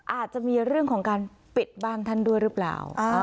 อาจจะมีเรื่องของการปิดบ้านท่านด้วยหรือเปล่า